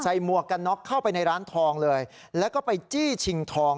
หมวกกันน็อกเข้าไปในร้านทองเลยแล้วก็ไปจี้ชิงทอง